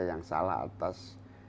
yang salah atas